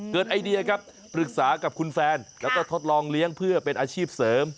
ไอเดียครับปรึกษากับคุณแฟนแล้วก็ทดลองเลี้ยงเพื่อเป็นอาชีพเสริม